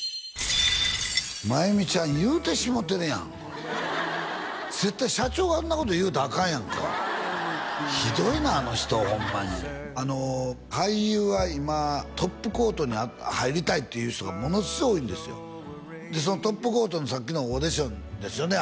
万由美ちゃん言うてしもうてるやん絶対社長があんなこと言うたらアカンやんかひどいなあの人ホンマに俳優は今トップコートに入りたいっていう人がものすごい多いんですよでそのトップコートのさっきのオーディションですよね